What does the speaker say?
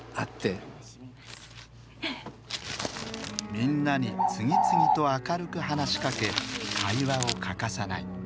みんなに次々と明るく話しかけ会話を欠かさない。